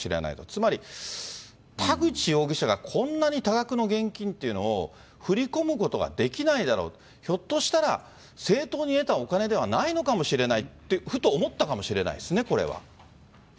つまり田口容疑者がこんなに多額の現金というのを振り込むことができないだろう、ひょっとしたら、正当に得たお金ではないのかもしれないってふと思ったかもしれなそうですね。